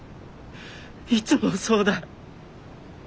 いつもそうだ。